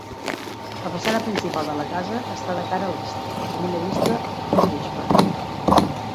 La façana principal de la casa està de cara a l'est, amb una vista de la gespa.